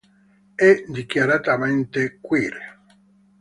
È dichiaratamente queer.